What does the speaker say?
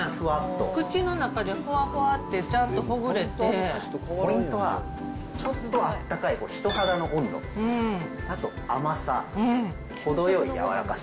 口の中でふわふわってちゃんポイントは、ちょっとあったかい人肌の温度、あと甘さ、程よい柔らかさ。